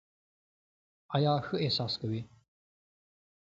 آیا ښه احساس کوې؟